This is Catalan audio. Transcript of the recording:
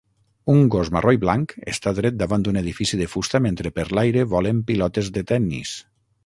Un gos marró i blanc està dret davant d'un edifici de fusta mentre per l'aire volen pilotes de tennis